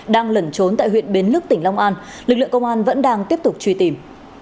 đang lẩn trốn tại huyện bến lức tỉnh long an lực lượng công an vẫn đang tiếp tục truy tìm